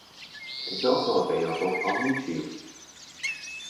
It is also available on YouTube.